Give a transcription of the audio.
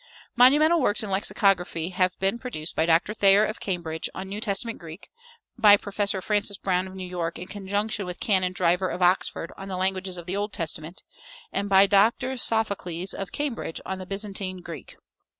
Monumental works in lexicography have been produced by Dr. Thayer, of Cambridge, on New Testament Greek; by Professor Francis Brown, of New York, in conjunction with Canon Driver, of Oxford, on the languages of the Old Testament; and by Dr. Sophocles, of Cambridge, on the Byzantine Greek.